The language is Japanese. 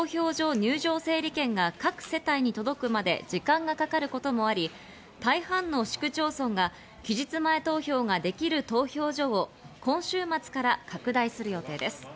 入場整理券が各世帯に届くまで時間がかかることもあり、大半の市区町村が期日前投票ができる投票所を今週末から拡大する予定です。